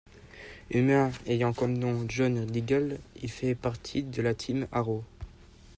Humain ayant comme nom John Diggle, il fait partie de la team Arrow.